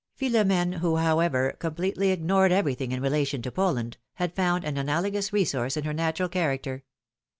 Philom^ne, who, however, completely ignored everything in relation to Poland, had found an analogous resource in her natural character.